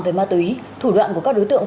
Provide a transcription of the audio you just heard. về ma túy thủ đoạn của các đối tượng